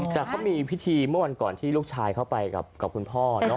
แต่เขามีพิธีเมื่อวันก่อนที่ลูกชายเขาไปกับคุณพ่อ